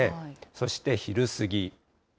そして昼過ぎ。